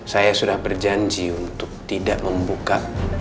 saya sudah berjanji untuk tidak membuka